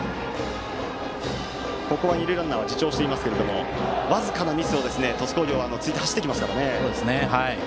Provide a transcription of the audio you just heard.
ここは二塁ランナーは自重していますが僅かなミスを突いて鳥栖工業は走ってきます。